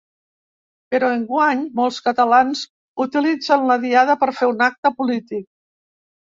Però enguany molts catalans utilitzen la diada per fer un acte polític.